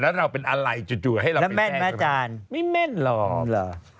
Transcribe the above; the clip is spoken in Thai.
แล้วเราเป็นอะไรจู่ให้เราได้แม่นไหมอาจารย์ไม่แม่นหรอกเหรอ